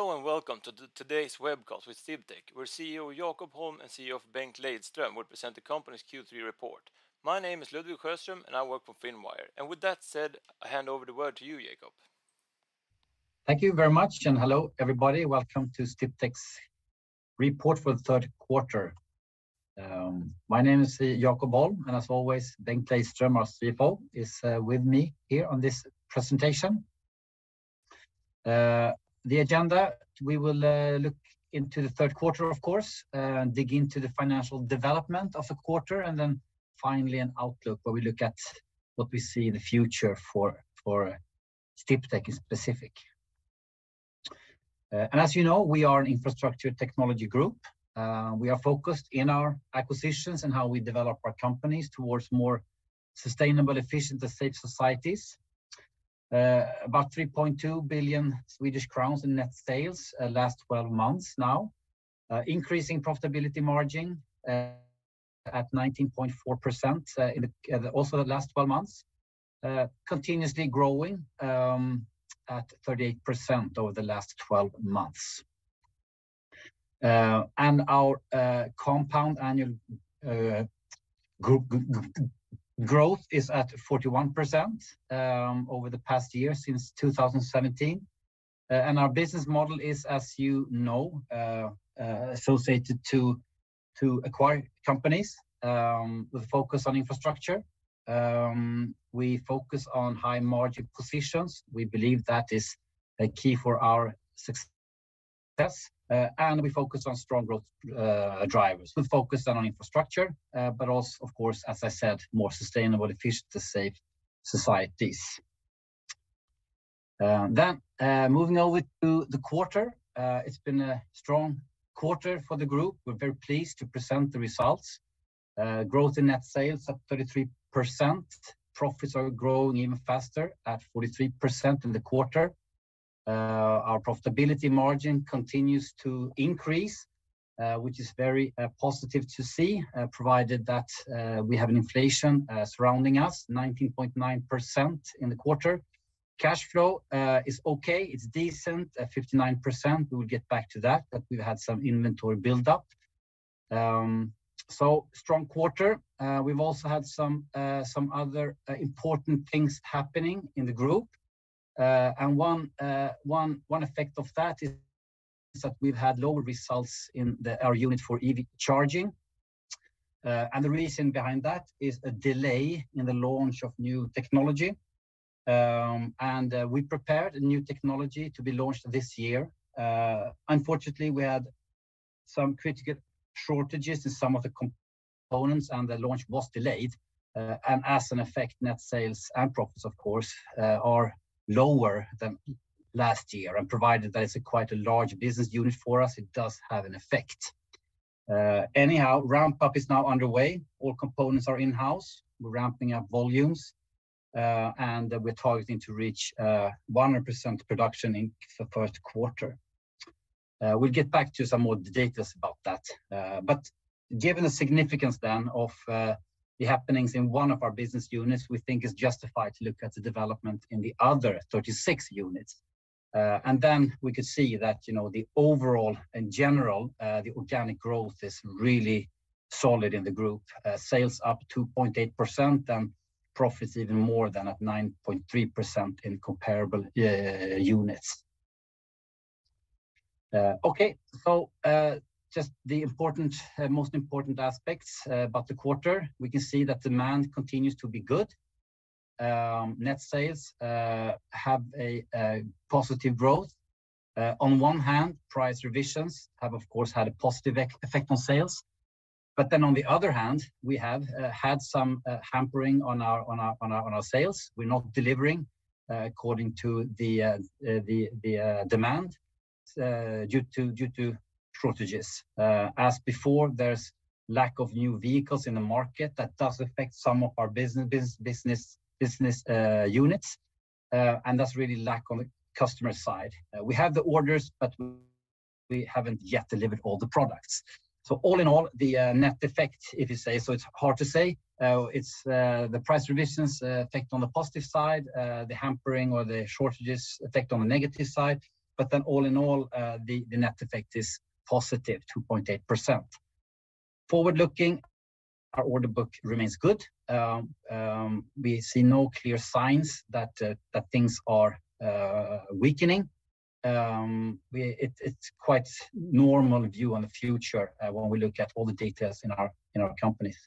Hello, and welcome to today's webcast with Sdiptech, where CEO Jakob Holm and CFO Bengt Lejdström will present the company's Q3 report. My name is Ludwig Sjöström, and I work for Finwire. With that said, I hand over the word to you, Jakob. Thank you very much, and hello, everybody. Welcome to Sdiptech's report for the third quarter. My name is Jakob Holm, and as always, Bengt Lejdström, our CFO, is with me here on this presentation. The agenda, we will look into the third quarter, of course, dig into the financial development of the quarter, and then finally an outlook where we look at what we see in the future for Sdiptech in specific. As you know, we are an infrastructure technology group. We are focused in our acquisitions and how we develop our companies towards more sustainable, efficient, and safe societies. About 3.2 billion Swedish crowns in net sales last 12 months now. Increasing profitability margin at 19.4%% also the last 12 months. Continuously growing at 38% over the last 12 months. Our compound annual growth is at 41% over the past year since 2017. Our business model is, as you know, associated to acquire companies with focus on infrastructure. We focus on high margin positions. We believe that is a key for our success and we focus on strong growth drivers. We focus on infrastructure but also, of course, as I said, more sustainable, efficient, and safe societies. Moving over to the quarter, it's been a strong quarter for the group. We're very pleased to present the results. Growth in net sales up 33%. Profits are growing even faster at 43% in the quarter. Our profitability margin continues to increase, which is very positive to see, provided that we have an inflation surrounding us, 19.9%% in the quarter. Cash flow is okay. It's decent at 59%. We will get back to that we've had some inventory build-up. Strong quarter. We've also had some other important things happening in the group. One effect of that is that we've had lower results in our unit for EV charging. The reason behind that is a delay in the launch of new technology. We prepared a new technology to be launched this year. Unfortunately, we had some critical shortages in some of the components, and the launch was delayed. As an effect, net sales and profits, of course, are lower than last year. Provided that it's quite a large business unit for us, it does have an effect. Anyhow, ramp-up is now underway. All components are in-house. We're ramping up volumes, and we're targeting to reach 100% production in the first quarter. We'll get back to some more details about that. Given the significance then of the happenings in one of our business units, we think it's justified to look at the development in the other 36 units. Then we could see that, you know, the overall, in general, the organic growth is really solid in the group. Sales up 2.8% and profits even more than at 9.3% in comparable units. Okay. Just the important, most important aspects about the quarter. We can see that demand continues to be good. Net sales have a positive growth. On one hand, price revisions have, of course, had a positive effect on sales. On the other hand, we have had some hampering on our sales. We're not delivering according to the demand due to shortages. As before, there's lack of new vehicles in the market that does affect some of our business units. And that's really lack on the customer side. We have the orders, but we haven't yet delivered all the products. All in all, the net effect, if you say so, it's hard to say. It's the price revisions affect on the positive side, the hampering or the shortages affect on the negative side. All in all, the net effect is positive, 2.8%. Forward-looking, our order book remains good. We see no clear signs that things are weakening. It's quite normal view on the future, when we look at all the details in our companies.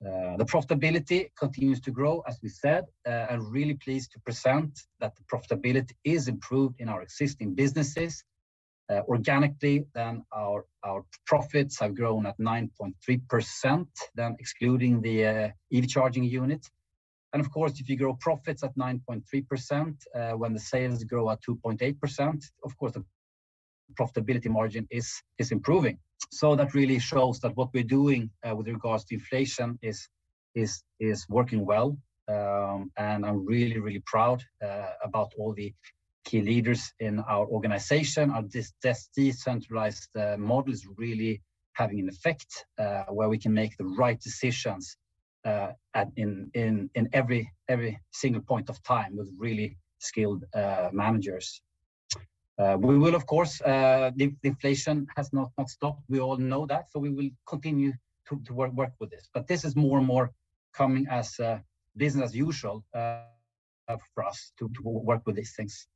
The profitability continues to grow, as we said. Really pleased to present that the profitability is improved in our existing businesses. Organically then our profits have grown at 9.3% than excluding the EV charging unit. Of course, if you grow profits at 9.3%, when the sales grow at 2.8%, of course the profitability margin is improving. That really shows that what we're doing with regards to inflation is working well. I'm really proud about all the key leaders in our organization. Our decentralized model is really having an effect, where we can make the right decisions at every single point of time with really skilled managers. We will of course. Deflation has not stopped. We all know that. We will continue to work with this. This is more and more coming as business as usual for us to work with these things.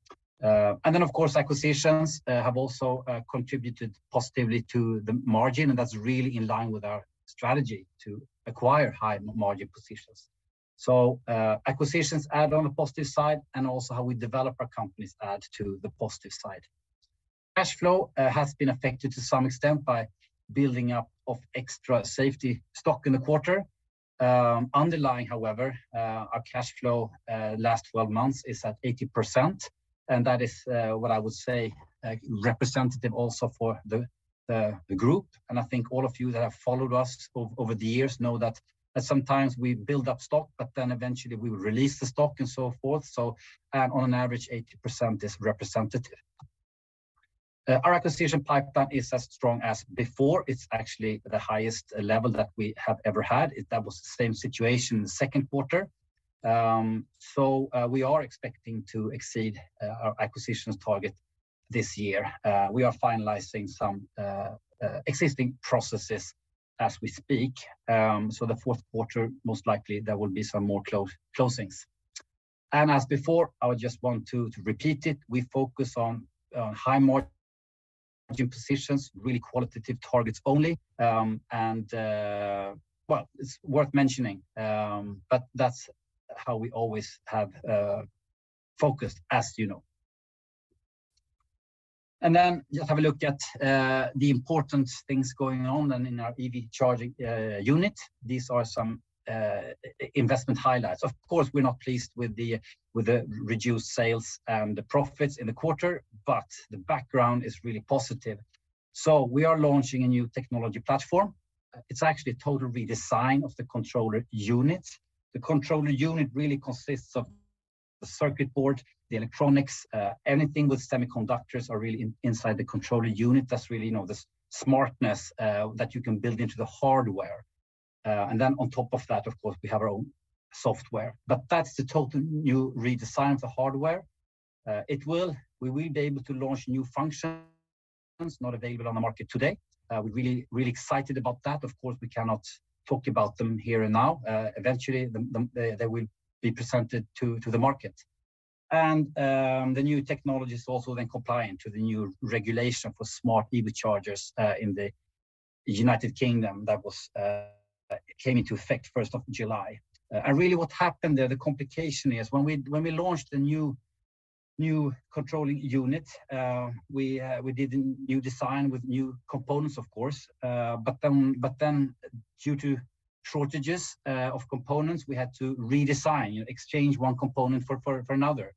Of course, acquisitions have also contributed positively to the margin, and that's really in line with our strategy to acquire high margin positions. Acquisitions add on a positive side, and also how we develop our companies add to the positive side. Cash flow has been affected to some extent by building up of extra safety stock in the quarter. Underlying, however, our cash flow last 12 months is at 80%, and that is what I would say representative also for the group. I think all of you that have followed us over the years know that sometimes we build up stock, but then eventually we will release the stock and so forth. On an average, 80% is representative. Our acquisition pipeline is as strong as before. It's actually the highest level that we have ever had. That was the same situation in the second quarter. We are expecting to exceed our acquisitions target this year. We are finalizing some existing processes as we speak. The fourth quarter, most likely there will be some more closings. As before, I would just want to repeat it, we focus on high margin positions, really qualitative targets only. Well, it's worth mentioning, but that's how we always have focused as you know. Then just have a look at the important things going on in our EV charging unit. These are some investment highlights. Of course, we're not pleased with the reduced sales and the profits in the quarter, but the background is really positive. We are launching a new technology platform. It's actually a total redesign of the controller unit. The controller unit really consists of the circuit board, the electronics, anything with semiconductors are really in, inside the controller unit. That's really, you know, the smartness that you can build into the hardware. And then on top of that, of course, we have our own software. That's the total new redesign of the hardware. We will be able to launch new functions not available on the market today. We're really, really excited about that. Of course, we cannot talk about them here and now. Eventually, they will be presented to the market. The new technology is also then compliant to the new regulation for smart EV chargers in the United Kingdom that came into effect 1st of July. Really what happened there, the complication is when we launched the new controller unit, we did a new design with new components of course. But then due to shortages of components, we had to redesign, you exchange one component for another.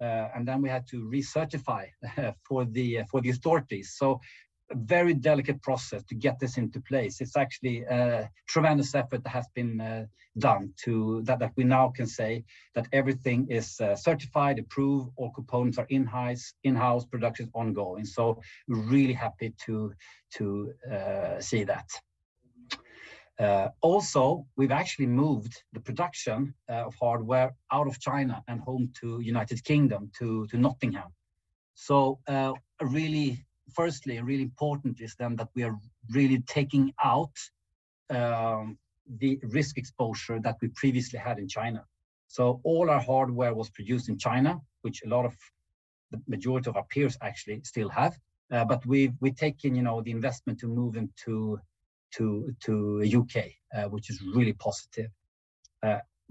And then we had to recertify for the authorities. A very delicate process to get this into place. It's actually a tremendous effort that has been done. That we now can say that everything is certified, approved, all components are in-house, production is ongoing. Really happy to see that. Also, we've actually moved the production of hardware out of China and home to United Kingdom to Nottingham. Really firstly, really important is then that we are really taking out the risk exposure that we previously had in China. All our hardware was produced in China, which a lot of the majority of our peers actually still have. But we've taken, you know, the investment to move them to UK, which is really positive.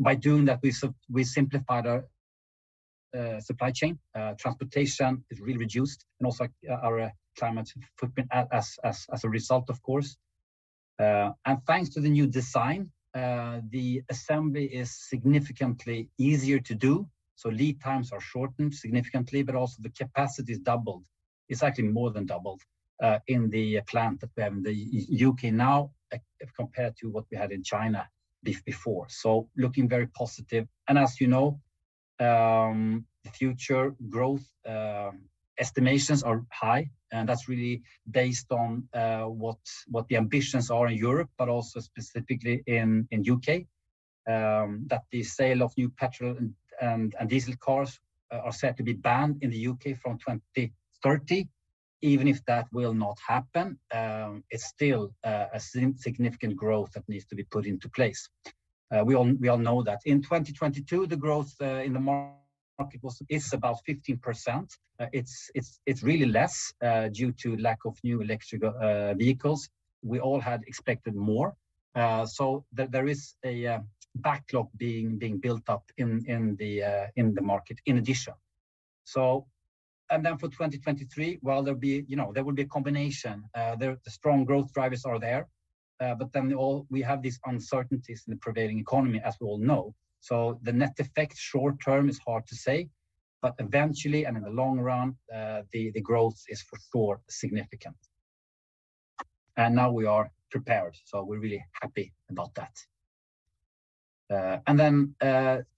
By doing that, we simplify the supply chain. Transportation is really reduced and also our climate footprint as a result, of course. Thanks to the new design, the assembly is significantly easier to do, so lead times are shortened significantly, but also the capacity is doubled. It's actually more than doubled in the plant that we have in the U.K. now compared to what we had in China before. Looking very positive. As you know, the future growth estimations are high, and that's really based on what the ambitions are in Europe, but also specifically in U.K. That the sale of new petrol and diesel cars are set to be banned in the U.K. from 2030. Even if that will not happen, it's still a significant growth that needs to be put into place. We all know that. In 2022, the growth in the market was 15%. It's really less due to lack of new electric vehicles. We all had expected more, so there is a backlog being built up in the market in addition. For 2023, well, there'll be, you know, there will be a combination. The strong growth drivers are there, but then we all have these uncertainties in the prevailing economy, as we all know. The net effect short term is hard to say, but eventually, and in the long run, the growth is for sure significant. Now we are prepared, so we're really happy about that.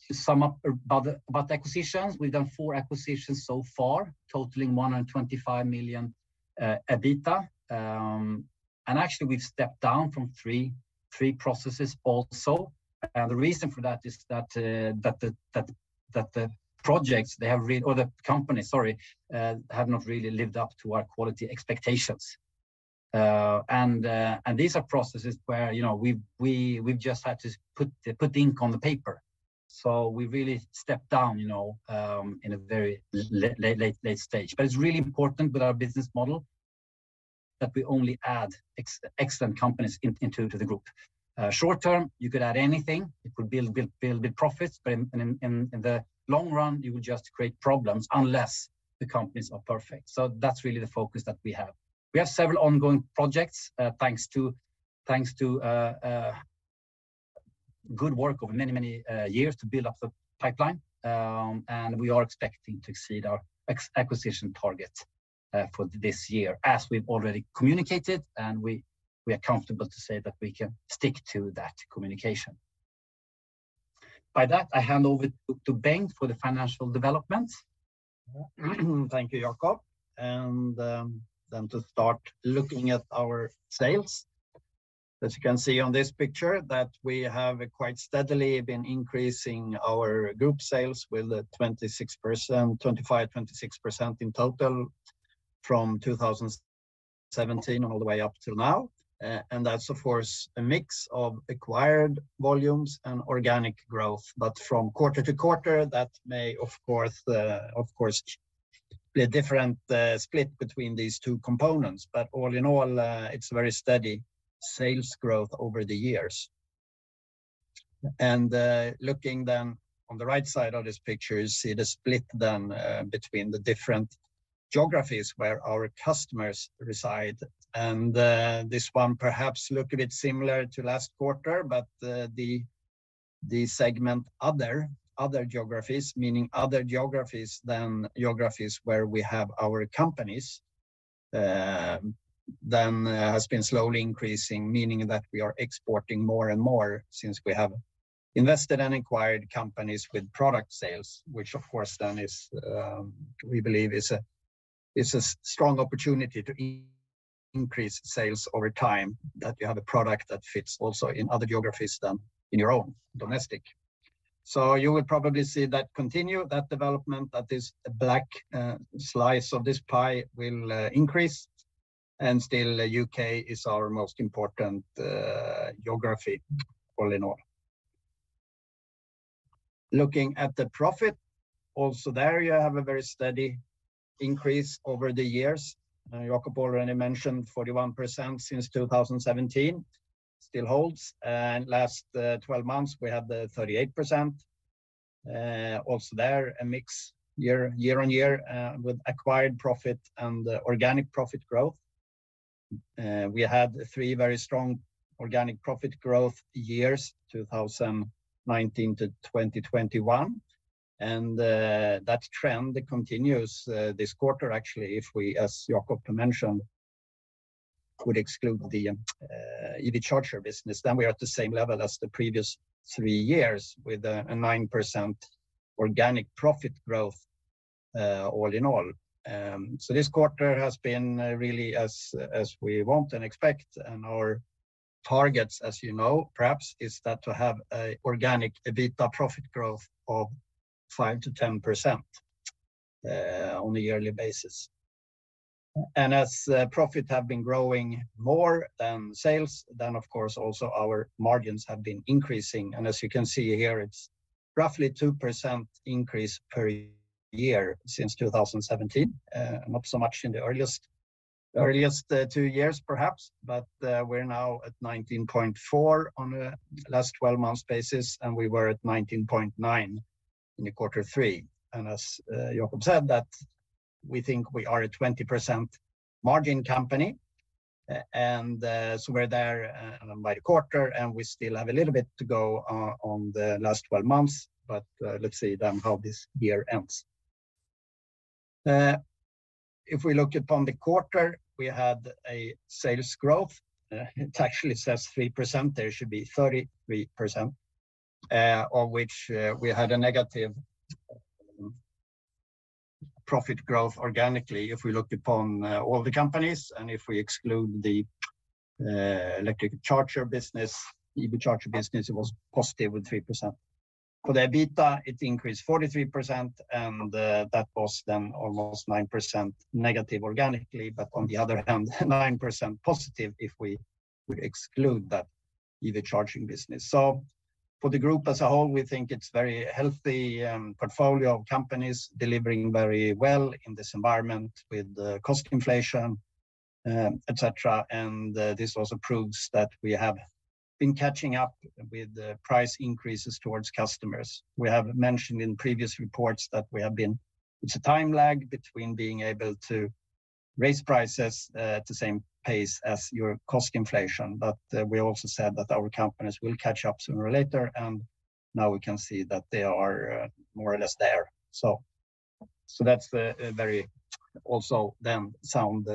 To sum up about acquisitions, we've done four acquisitions so far, totaling 125 million EBITDA, and actually we've stepped down from three processes also. The reason for that is that the company have not really lived up to our quality expectations. These are processes where, you know, we've just had to put ink on the paper. We really stepped down, you know, in a very late stage. It's really important with our business model that we only add excellent companies into the group. Short term, you could add anything. It would build the profits, but in the long run, you would just create problems unless the companies are perfect. That's really the focus that we have. We have several ongoing projects, thanks to good work over many years to build up the pipeline. We are expecting to exceed our acquisition targets for this year as we've already communicated, and we are comfortable to say that we can stick to that communication. By that, I hand over to Bengt for the financial development. Thank you, Jakob. To start looking at our sales. As you can see on this picture that we have quite steadily been increasing our group sales with 26%, 25%-26% in total from 2017 all the way up till now. That's of course a mix of acquired volumes and organic growth. From quarter to quarter, that may, of course, be a different split between these two components. All in all, it's very steady sales growth over the years. Looking then on the right side of this picture, you see the split then between the different geographies where our customers reside. This one perhaps look a bit similar to last quarter, but the segment other geographies, meaning other geographies than the geographies where we have our companies, then has been slowly increasing, meaning that we are exporting more and more since we have invested and acquired companies with product sales, which of course then is we believe a strong opportunity to increase sales over time, that you have a product that fits also in other geographies than in your own domestic. You will probably see that continue, that development, that this black slice of this pie will increase, and still U.K. is our most important geography all in all. Looking at the profit, also there you have a very steady increase over the years. Jakob already mentioned 41% since 2017 still holds. Last 12 months, we have the 38%. Also there a mix year-on-year with acquired profit and organic profit growth. We had three very strong organic profit growth years, 2019-2021. That trend continues this quarter. Actually, if we, as Jacob mentioned, would exclude the EV charger business, then we are at the same level as the previous three years with a 9% organic profit growth, all in all. So this quarter has been really as we want and expect, and our targets, as you know, perhaps, is that to have a organic EBITDA profit growth of 5%-10% on a yearly basis. As profit have been growing more than sales, then of course, also our margins have been increasing. As you can see here, it's roughly 2% increase per year since 2017. Not so much in the earliest two years, perhaps. We're now at 19.4% on a last 12 months basis, and we were at 19.9% in quarter three. Jakob said that we think we are a 20% margin company. We're there by the quarter, and we still have a little bit to go on the last 12 months. Let's see then how this year ends. If we look upon the quarter, we had a sales growth. It actually says 3%. There should be 33%, of which we had a negative profit growth organically if we look upon all the companies. If we exclude the electric charger business, EV charger business, it was positive 3%. For the EBITDA, it increased 43%, and that was then almost 9% negative organically, but on the other hand, 9% positive if we would exclude that EV charging business. For the group as a whole, we think it's very healthy portfolio of companies delivering very well in this environment with the cost inflation, et cetera. This also proves that we have been catching up with the price increases towards customers. We have mentioned in previous reports that we have been. It's a time lag between being able to raise prices at the same pace as your cost inflation. We also said that our companies will catch up sooner or later, and now we can see that they are more or less there. That's a very also then sound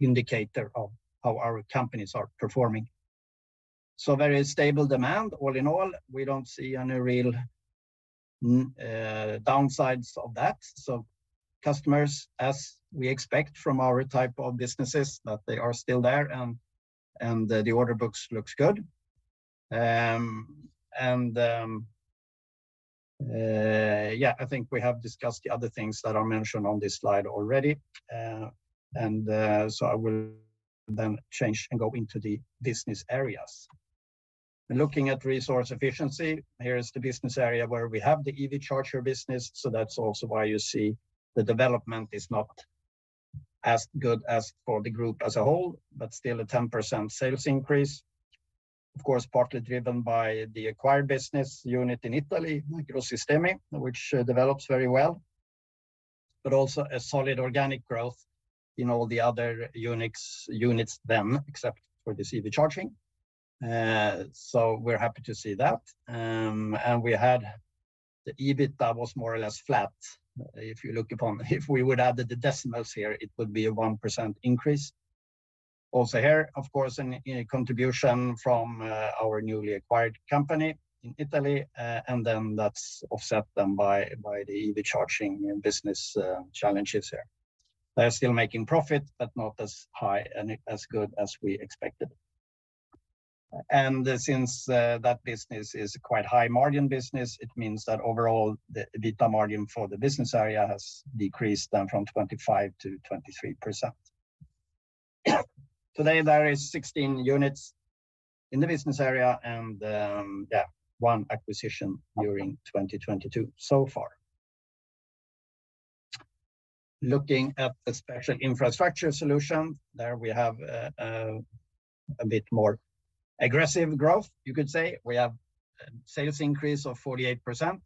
indicator of how our companies are performing. Very stable demand. All in all, we don't see any real downsides of that. Customers, as we expect from our type of businesses, that they are still there and the order books looks good. Yeah, I think we have discussed the other things that are mentioned on this slide already. I will then change and go into the business areas. Looking at Resource Efficiency, here is the business area where we have the EV charger business, so that's also why you see the development is not as good as for the group as a whole, but still a 10% sales increase. Of course, partly driven by the acquired business unit in Italy, Microsistemi, which develops very well. Also a solid organic growth in all the other units then, except for this EV charging. We're happy to see that. We had the EBITDA was more or less flat. If we would add the decimals here, it would be a 1% increase. Also here, of course, a contribution from our newly acquired company in Italy, and that's offset by the EV charging business challenges here. They're still making profit, but not as high and as good as we expected. Since that business is a quite high margin business, it means that overall the EBITDA margin for the business area has decreased down from 25%-23%. Today, there is 16 units in the business area and one acquisition during 2022 so far. Looking at the Special Infrastructure Solutions, there we have a bit more aggressive growth, you could say. We have sales increase of 48%.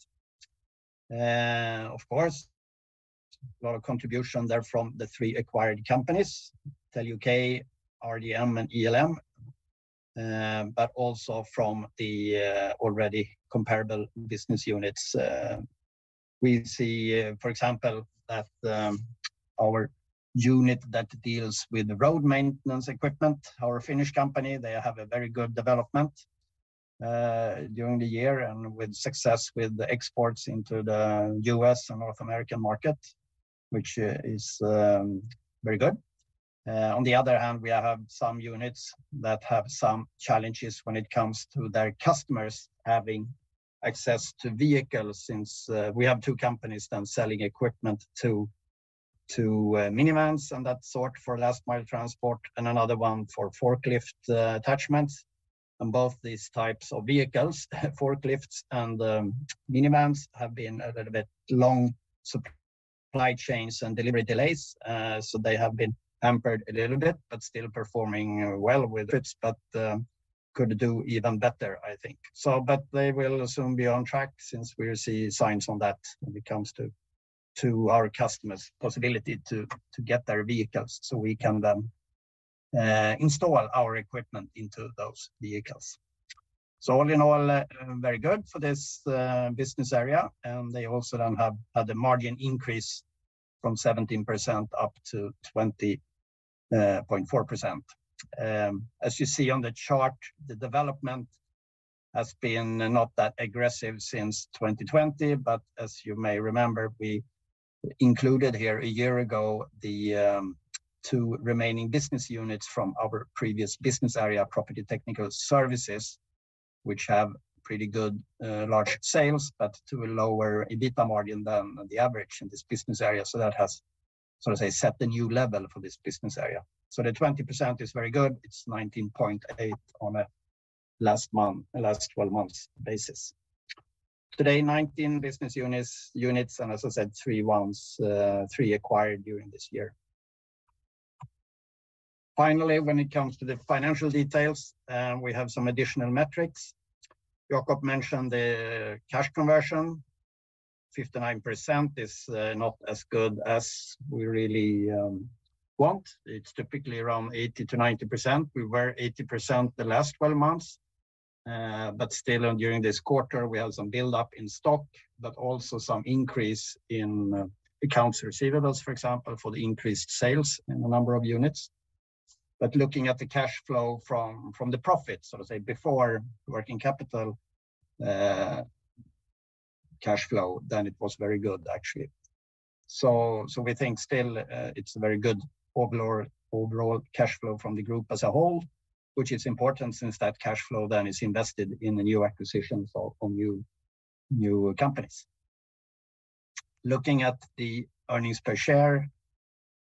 Of course, a lot of contribution there from the three acquired companies, TEL UK, RDM, and ELM, but also from the already comparable business units. We see, for example, that our unit that deals with the road maintenance equipment, our Finnish company, they have a very good development during the year and with success with the exports into the U.S. and North American market, which is very good. On the other hand, we have some units that have some challenges when it comes to their customers having access to vehicles since we have two companies then selling equipment to minivans and that sort for last-mile transport and another one for forklift attachments. Both these types of vehicles, forklifts and minivans, have been a little bit long supply chains and delivery delays. They have been hampered a little bit, but still performing well with it, but could do even better, I think. They will soon be on track since we see signs on that when it comes to our customers' possibility to get their vehicles, so we can then install our equipment into those vehicles. All in all, very good for this business area, and they also had the margin increase from 17% up to 20.4%. As you see on the chart, the development has been not that aggressive since 2020, but as you may remember, we included here a year ago the two remaining business units from our previous business area, Property Technical Services, which have pretty good large sales, but to a lower EBITDA margin than the average in this business area. That has sort of set the new level for this business area. The 20% is very good. It's 19.8% on a last 12 months basis. Today, 19 business units, and as I said, three acquired during this year. Finally, when it comes to the financial details, we have some additional metrics. Jakob mentioned the cash conversion. 59% is not as good as we really want. It's typically around 80%-90%. We were 80% the last 12 months. Still during this quarter, we have some build-up in stock, but also some increase in accounts receivables, for example, for the increased sales in a number of units. Looking at the cash flow from the profits, so to say, before working capital cash flow, then it was very good, actually. We think still it's a very good cash flow from the group as a whole, which is important since that cash flow then is invested in the new acquisitions of companies. Looking at the earnings per share,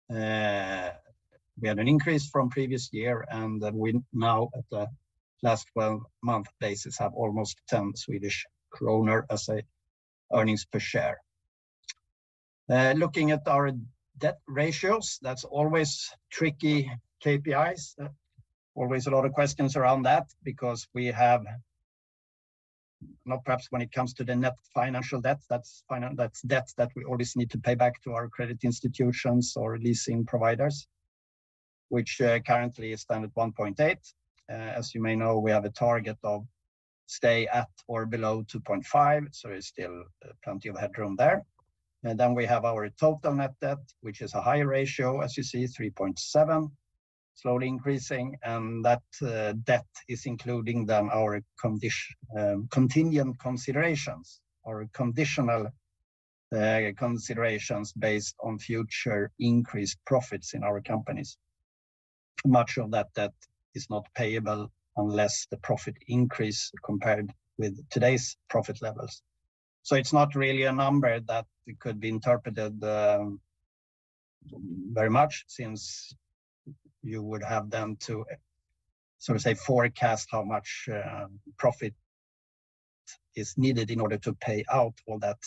we had an increase from previous year, and we now at the last twelve-month basis have almost 10 Swedish kronor as a earnings per share. Looking at our debt ratios, that's always tricky KPIs. Always a lot of questions around that because we have. Now perhaps when it comes to the net financial debt, that's debt that we always need to pay back to our credit institutions or leasing providers, which currently is down at 1.8. As you may know, we have a target of Stay at or below 2.5, so it's still plenty of headroom there. We have our total net debt, which is a higher ratio, as you see, 3.7, slowly increasing. That debt is including then our contingent considerations or conditional considerations based on future increased profits in our companies. Much of that debt is not payable unless the profit increase compared with today's profit levels. It's not really a number that could be interpreted very much since you would have to sort of say forecast how much profit is needed in order to pay out all that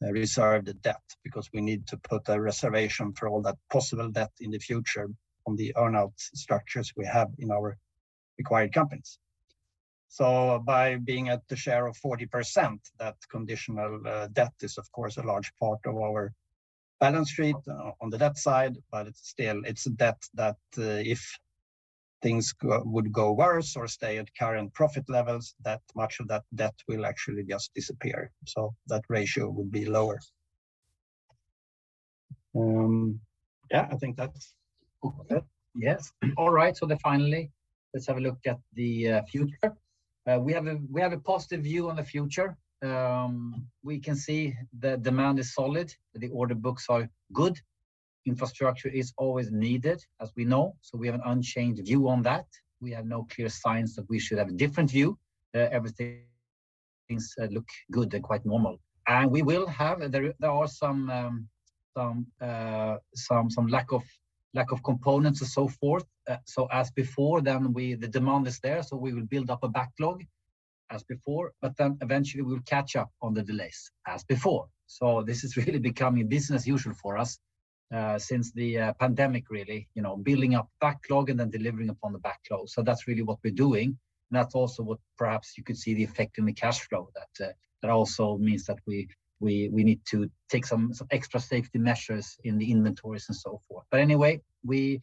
reserved debt, because we need to put a reservation for all that possible debt in the future on the earn-out structures we have in our acquired companies. By being at the share of 40%, that conditional debt is of course a large part of our balance sheet on the debt side, but it's still a debt that if things would go worse or stay at current profit levels, that much of that debt will actually just disappear. That ratio will be lower. I think that's all of it. Yes. All right. Finally, let's have a look at the future. We have a positive view on the future. We can see the demand is solid, the order books are good. Infrastructure is always needed, as we know. We have an unchanged view on that. We have no clear signs that we should have a different view. Everything seems look good and quite normal. There are some lack of components and so forth. The demand is there, so we will build up a backlog as before, but then eventually we'll catch up on the delays as before. This is really becoming business as usual for us since the pandemic really, you know, building up backlog and then delivering upon the backlog. That's really what we're doing. That's also what perhaps you could see the effect in the cash flow that also means that we need to take some extra safety measures in the inventories and so forth. Anyway, we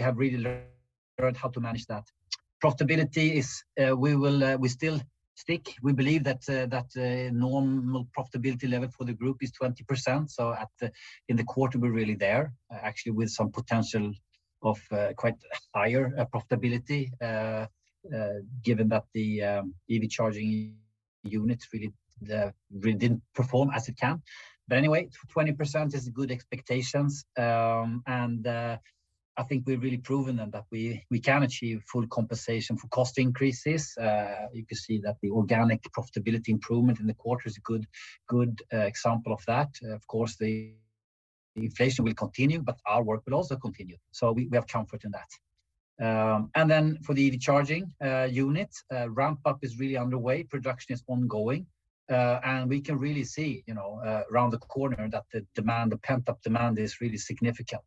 have really learned how to manage that. Profitability is, we will, we still stick. We believe that normal profitability level for the group is 20%. In the quarter, we're really there, actually with some potential of quite higher profitability, given that the EV charging units really didn't perform as it can. Anyway, 20% is good expectations. I think we've really proven then that we can achieve full compensation for cost increases. You can see that the organic profitability improvement in the quarter is a good example of that. Of course, the inflation will continue, but our work will also continue. We have comfort in that. For the EV charging unit, ramp-up is really underway, production is ongoing, and we can really see, you know, around the corner that the demand, the pent-up demand is really significant.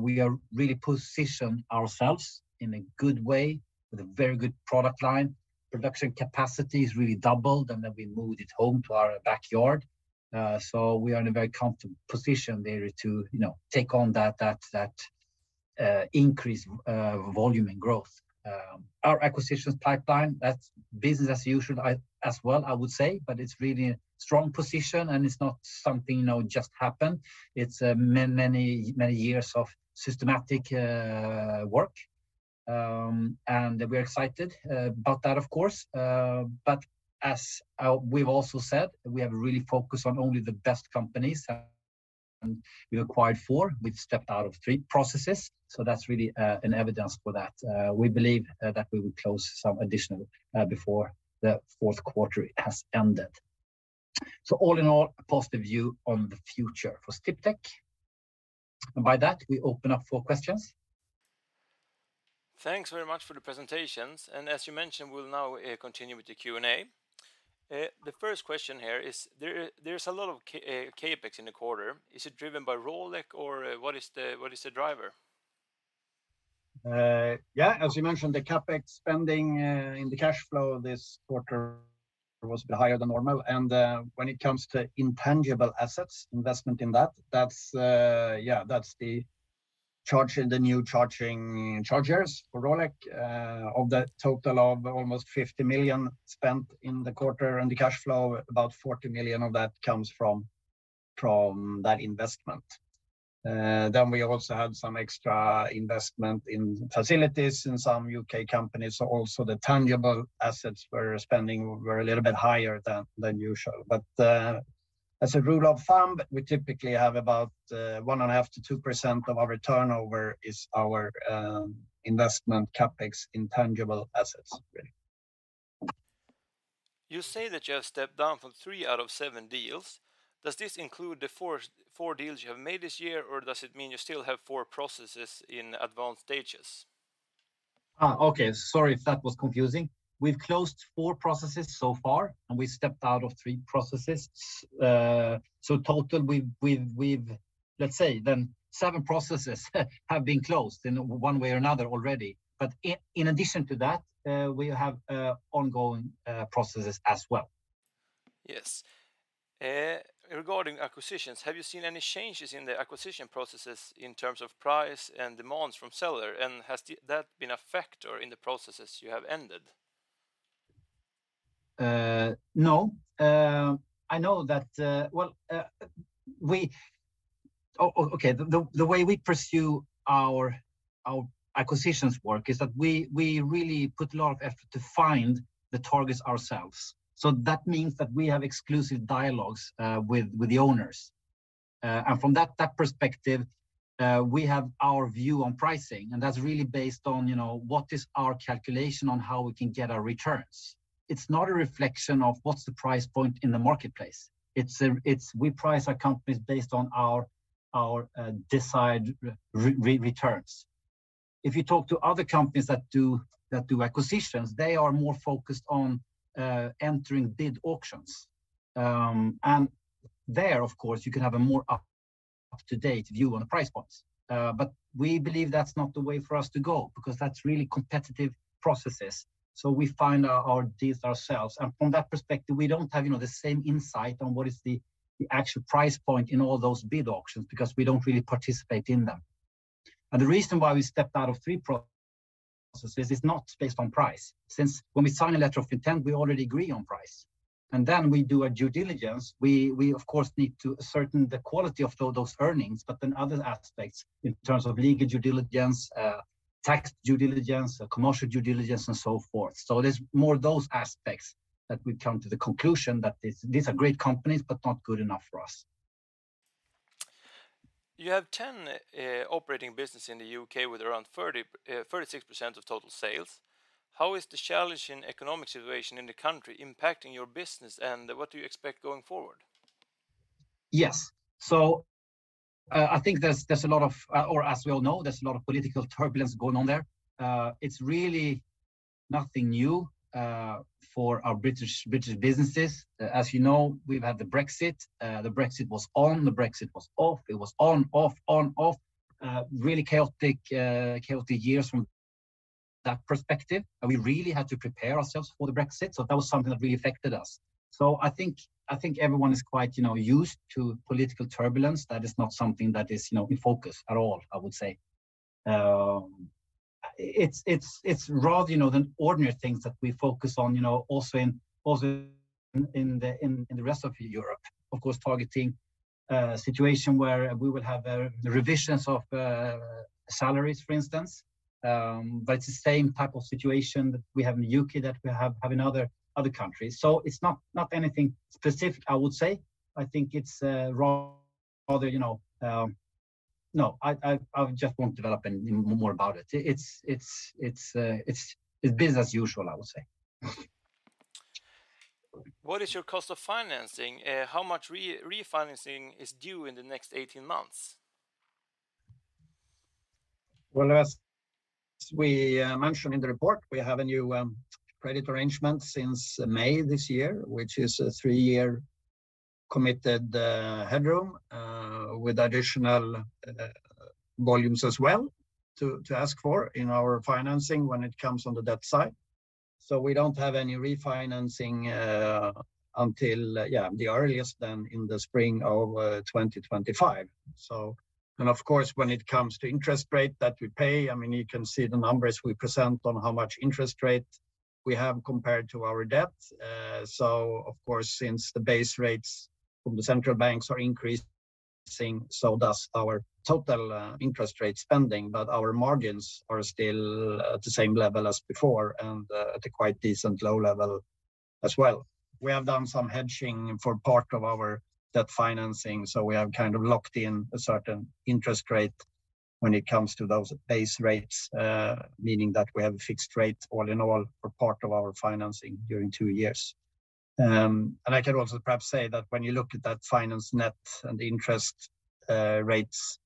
We are really positioned ourselves in a good way with a very good product line. Production capacity is really doubled, and then we moved it home to our backyard. We are in a very comfortable position there to, you know, take on that increase volume and growth. Our acquisitions pipeline, that's business as usual, as well, I would say, but it's really strong position, and it's not something, you know, just happened. It's many, many years of systematic work. We're excited about that, of course. As we've also said, we have really focused on only the best companies, and we acquired four. We've stepped out of three processes. That's really an evidence for that. We believe that we will close some additional before the fourth quarter has ended. All in all, a positive view on the future for Sdiptech. By that, we open up for questions. Thanks very much for the presentations. As you mentioned, we'll now continue with the Q&A. The first question here is there's a lot of CapEx in the quarter. Is it driven by Rolec or what is the driver? Yeah, as you mentioned, the CapEx spending in the cash flow this quarter was a bit higher than normal. When it comes to intangible assets, investment in that's the charging, the new charging chargers for Rolec, of that total of almost 50 million spent in the quarter and the cash flow, about 40 million of that comes from that investment. Then we also had some extra investment in facilities in some U.K. companies. Also, the tangible assets spending was a little bit higher than usual. As a rule of thumb, we typically have about 1.5%-2% of our turnover is our investment CapEx intangible assets, really. You say that you have stepped down from three out of seven deals. Does this include the four deals you have made this year, or does it mean you still have four processes in advanced stages? Okay. Sorry if that was confusing. We've closed four processes so far, and we stepped out of three processes. Total, let's say seven processes have been closed in one way or another already. In addition to that, we have ongoing processes as well. Yes. Regarding acquisitions, have you seen any changes in the acquisition processes in terms of price and demands from seller? Has that been a factor in the processes you have ended? No. I know that, well, okay, the way we pursue our acquisitions work is that we really put a lot of effort to find the targets ourselves. That means that we have exclusive dialogues with the owners. From that perspective, we have our view on pricing, and that's really based on, you know, what is our calculation on how we can get our returns. It's not a reflection of what's the price point in the marketplace. It's we price our companies based on our desired returns. If you talk to other companies that do acquisitions, they are more focused on entering bid auctions. There, of course, you can have a more up-to-date view on the price points. We believe that's not the way for us to go because that's really competitive processes. We find our deals ourselves. From that perspective, we don't have, you know, the same insight on what is the actual price point in all those bid auctions because we don't really participate in them. The reason why we stepped out of three processes is not based on price, since when we sign a letter of intent, we already agree on price. Then we do a due diligence. We of course need to ascertain the quality of those earnings, but then other aspects in terms of legal due diligence, tax due diligence, commercial due diligence, and so forth. It is more those aspects that we come to the conclusion that these are great companies, but not good enough for us. You have 10 operating businesses in the U.K. with around 36% of total sales. How is the challenging economic situation in the country impacting your business? What do you expect going forward? Yes. So I think or as we all know, there's a lot of political turbulence going on there. It's really nothing new for our British businesses. As you know, we've had the Brexit. The Brexit was on, the Brexit was off. It was on, off, on, off. Really chaotic years from that perspective. We really had to prepare ourselves for the Brexit. That was something that really affected us. I think everyone is quite, you know, used to political turbulence. That is not something that is, you know, in focus at all, I would say. It's rather, you know, than ordinary things that we focus on, you know, also in the rest of Europe. Of course, targeting a situation where we will have revisions of salaries, for instance. It's the same type of situation that we have in the U.K. that we have in other countries. It's not anything specific, I would say. I think it's rather, you know. No, I just won't develop any more about it. It's business as usual, I would say. What is your cost of financing? How much refinancing is due in the next 18 months? Well, as we mentioned in the report, we have a new credit arrangement since May this year, which is a three-year committed headroom with additional volumes as well to ask for in our financing when it comes on the debt side. We don't have any refinancing until the earliest then in the spring of 2025. Of course, when it comes to interest rate that we pay, I mean, you can see the numbers we present on how much interest rate we have compared to our debt. Of course, since the base rates from the central banks are increasing, so does our total interest rate spending, but our margins are still at the same level as before and at a quite decent low level as well. We have done some hedging for part of our debt financing, so we have kind of locked in a certain interest rate when it comes to those base rates, meaning that we have a fixed rate all in all for part of our financing during two years. I can also perhaps say that when you look at that financial net and interest rates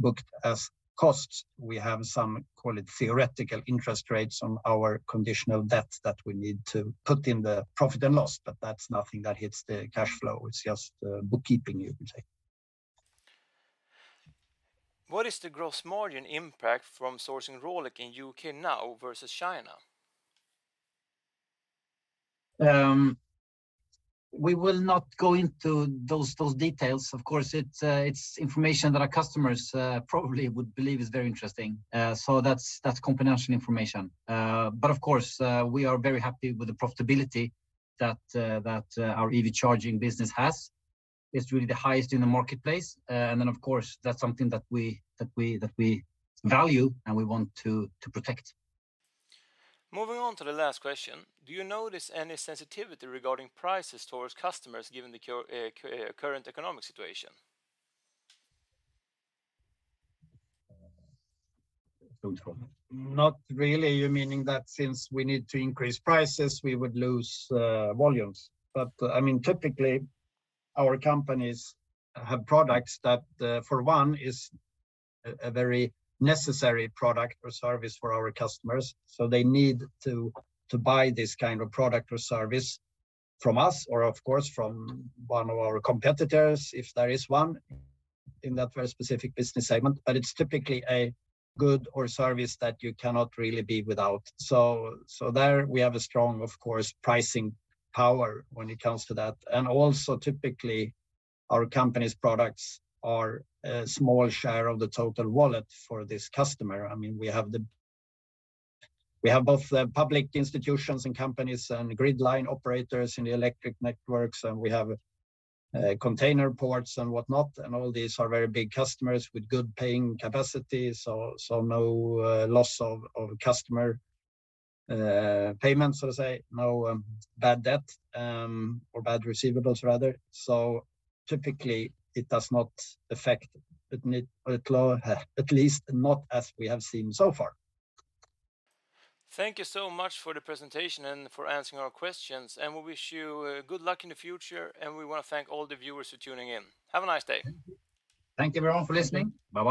booked as costs, we have some, call it theoretical interest rates on our conditional debt that we need to put in the profit and loss, but that's nothing that hits the cash flow. It's just bookkeeping, you could say. What is the gross margin impact from sourcing Rolec in U.K. now versus China? We will not go into those details. Of course, it's information that our customers probably would believe is very interesting. That's confidential information. Of course, we are very happy with the profitability that our EV charging business has. It's really the highest in the marketplace. Of course, that's something that we value and we want to protect. Moving on to the last question. Do you notice any sensitivity regarding prices towards customers given the current economic situation? Not really. You're meaning that since we need to increase prices, we would lose volumes. I mean, typically, our companies have products that for one is a very necessary product or service for our customers. They need to buy this kind of product or service from us or of course, from one of our competitors, if there is one in that very specific business segment. It's typically a good or service that you cannot really be without. There we have a strong, of course, pricing power when it comes to that. Also, typically, our company's products are a small share of the total wallet for this customer. I mean, we have both the public institutions and companies and grid line operators in the electric networks, and we have container ports and whatnot. All these are very big customers with good paying capacity. So no loss of customer payments, so to say, no bad debt or bad receivables, rather. Typically, it does not affect, at least not as we have seen so far. Thank you so much for the presentation and for answering our questions. We wish you good luck in the future, and we wanna thank all the viewers for tuning in. Have a nice day. Thank you, everyone, for listening. Bye-bye.